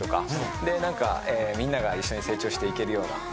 みんなが一緒に成長していけるような。